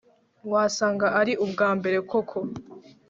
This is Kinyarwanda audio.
wasanga ari ubwambere koko